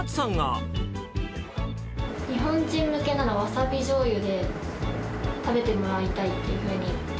日本人向けなら、わさびじょうゆで食べてもらいたいっていうふうに言って。